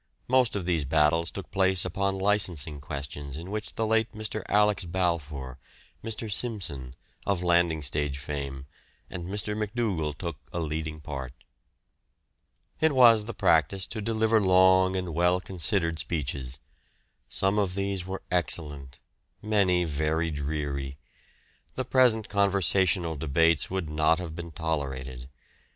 Most of these battles took place upon licensing questions in which the late Mr. Alex. Balfour, Mr. Simpson, of landing stage fame, and Mr. McDougal took a leading part. It was the practice to deliver long and well considered speeches. Some of these were excellent, many very dreary. The present conversational debates would not have been tolerated.